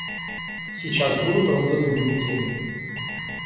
Сейчас будут розданы бюллетени.